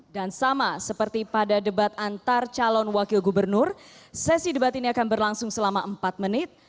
dan sama seperti pada debat antar calon wakil gubernur sesi debat ini akan berlangsung selama empat menit